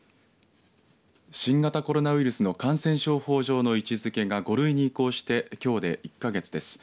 新型コロナウイルスの感染症法上の位置づけが５類に移行してきょうで１か月です。